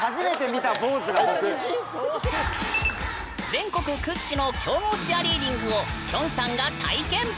全国屈指の強豪チアリーディングをきょんさんが体験！